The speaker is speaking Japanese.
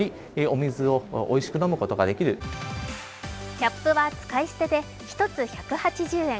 キャップは使い捨てで１つ１８０円。